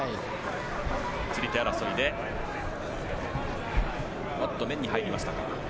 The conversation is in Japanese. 釣り手争いで目に入りましたか。